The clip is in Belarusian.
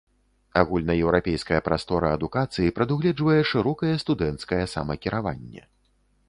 Агульнаеўрапейская прастора адукацыі прадугледжвае шырокае студэнцкае самакіраванне.